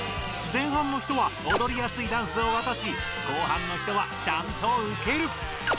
前半の人はおどりやすいダンスをわたし後半の人はちゃんと受ける。